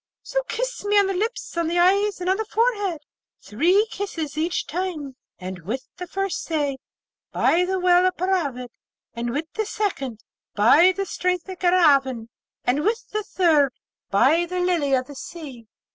So kiss me on the lips, on the eyes, and on the forehead, three kisses each time; and with the first say, "By the well of Paravid"; and with the second, "By the strength of Garraveen!" and with the third, "By the Lily of the Sea!"'